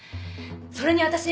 それに私